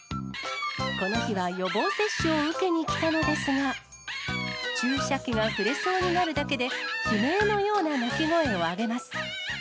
この日は予防接種を受けに来たのですが、注射器が触れそうになるだけで、悲鳴のような鳴き声を上げます。